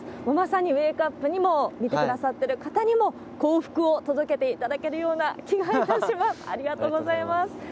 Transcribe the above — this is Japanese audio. もうまさにウェークアップにも、見てくださってる方にも幸福を届けていただけるような気がいたしありがとうございます。